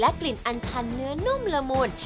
กลิ่นอันชันเนื้อนุ่มละมุน